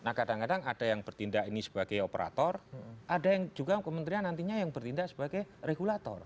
nah kadang kadang ada yang bertindak ini sebagai operator ada yang juga kementerian nantinya yang bertindak sebagai regulator